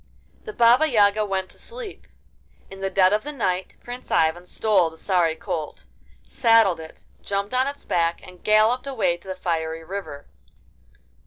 The Baba Yaga went to sleep. In the dead of the night Prince Ivan stole the sorry colt, saddled it, jumped on its back, and galloped away to the fiery river.